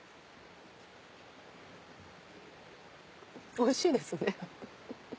おいしいですね。